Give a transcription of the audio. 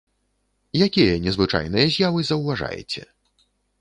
Якія незвычайныя з'явы заўважаеце?